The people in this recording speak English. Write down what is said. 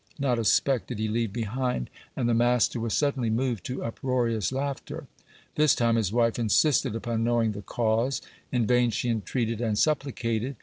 Not a speck did he leave behind, and the master was suddenly moved to uproarious laughter. This time his wife insisted upon knowing the cause. In vain she entreated and supplicated.